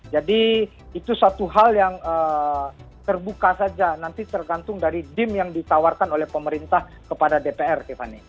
jadi itu satu hal yang terbuka saja nanti tergantung dari dim yang ditawarkan oleh pemerintah kepada dpr tiffany